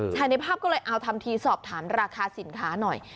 ในภาพก็เลยเอาทำทีสอบถามราคาสินค้าหน่อย